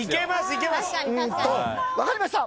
分かりました。